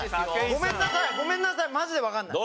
ごめんなさい！